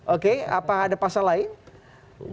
oke apa ada pasal lain